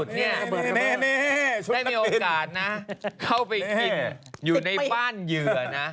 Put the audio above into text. นี่ได้มีโอกาสนะเข้าไปกินอยู่ในบ้านเหยื่อนะ